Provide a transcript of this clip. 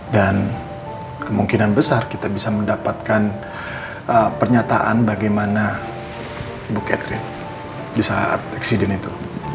dan kemungkinan besar kita bisa mendapatkan pernyataan bagaimana ibu catherine di saat eksiden itu